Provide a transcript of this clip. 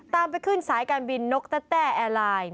ตามไปขึ้นสายการบินนกแต๊ะแต๊ะแอร์ไลน์